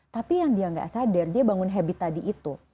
tapi yang dia nggak sadar dia bangun habit tadi itu